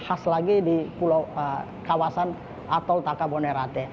lebih khas lagi di pulau kawasan atol taka bonerate